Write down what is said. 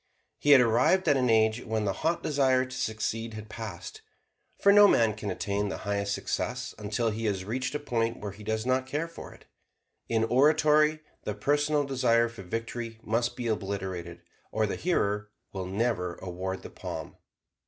He had arrived at an age when the hot desire to succeed had passed. For no man can attain the highest success until he has reached a point where he does not care for it. In oratory the personal desire for victory must be obliterated or the hearer will never award the palm.